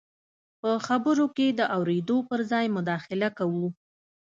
په خبرو کې د اورېدو پر ځای مداخله کوو.